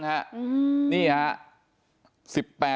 นี่ฮะ